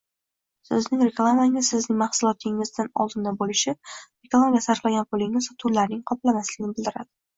Sizning reklamangiz sizning mahsulotingizdan oldinda bo'lishi, reklamaga sarflagan pulingiz sotuvlaringizni qoplamasligini bildiradi